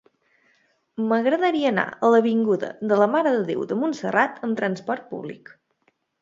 M'agradaria anar a l'avinguda de la Mare de Déu de Montserrat amb trasport públic.